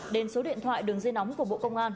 đến số điện thoại đường dây nóng của bộ công an